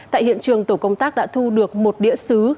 tại hiện trường tổ công tác đã thu được một đĩa xứ